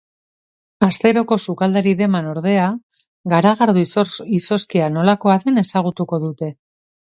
Asteroko sukaldari deman ordea, garagardo izozkia nolakoa den ezagutuko dute.